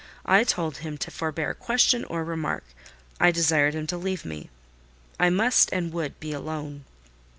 I told him to forbear question or remark; I desired him to leave me: I must and would be alone.